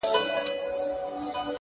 ته چي نه يې _ کړي به چي ټکور باڼه _